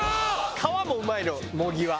皮もうまいの茂木は。